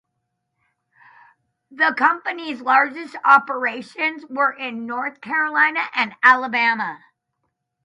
The company's largest operations were in North Carolina and Alabama.